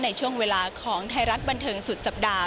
ในช่วงเวลาของไทยรัฐบันเทิงสุดสัปดาห